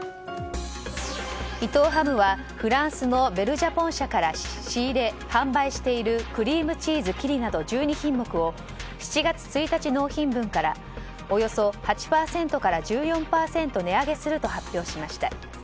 伊藤ハムはフランスのベルジャポン社から仕入れ、販売しているクリームチーズキリなど１２品目を７月１日納品分からおよそ８％から１４％値上げすると発表しました。